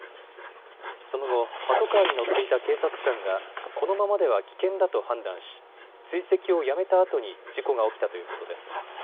その後、パトカーに乗っていた警察官が、このままでは危険だと判断し追跡をやめたあとに事故が起きたということです。